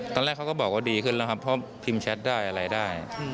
ตอนแรกเขาก็บอกว่าดีขึ้นแล้วครับเพราะพิมพ์แชทได้อะไรได้